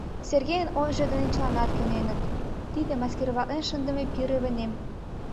Сергейын ойжо дене чыланат кӧненыт: тиде маскироватлен шындыме пире вынем...